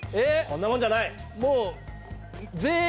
こんなもんじゃない。